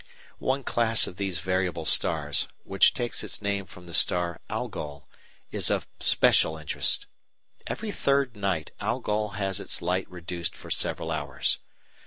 One class of these variable stars, which takes its name from the star Algol, is of special interest. Every third night Algol has its light reduced for several hours.